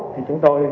thì chúng tôi